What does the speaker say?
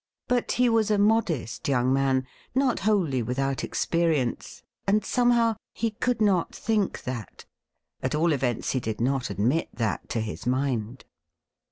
But he was a modest young man, not wholly without experience, and somehow he could not think that ; at all events, he did not admit that to his mind.